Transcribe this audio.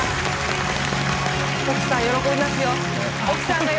奥さん喜びますよ。